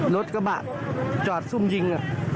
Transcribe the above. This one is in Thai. รถกระบะจอดซุ่มยิง